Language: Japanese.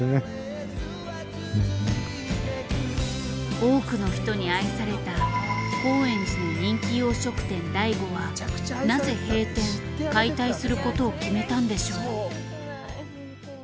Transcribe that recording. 多くの人に愛された高円寺の人気洋食店醍醐はなぜ閉店・解体することを決めたんでしょう？